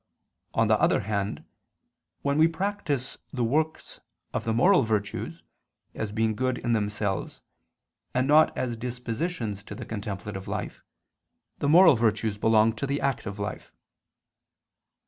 On the other hand, when we practice the works of the moral virtues, as being good in themselves, and not as dispositions to the contemplative life, the moral virtues belong to the active life.